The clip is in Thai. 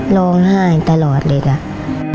โรงไห้ตลอดเลย